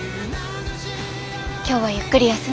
今日はゆっくり休んでね。